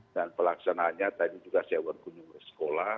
dan pelaksanaannya tadi juga saya berkunjung ke sekolah